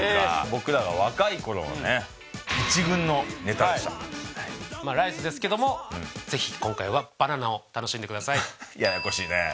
僕らが若い頃のね一軍のネタでしたはいまあライスですけどもぜひ今回は「バナナ」を楽しんでください